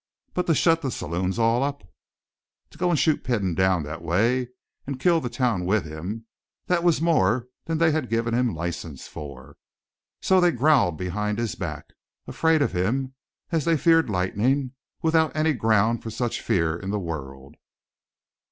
But to shut the saloons all up, to go and shoot Peden down that way and kill the town with him, that was more than they had given him license for. So they growled behind his back, afraid of him as they feared lightning, without any ground for such fear in the world.